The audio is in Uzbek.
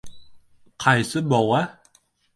— Qaysi bova?